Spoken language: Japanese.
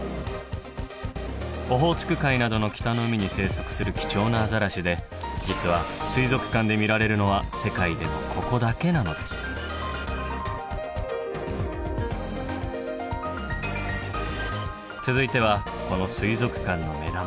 オホーツク海などの北の海に生息する貴重なアザラシで実は水族館で見られるのは続いてはこの水族館の目玉。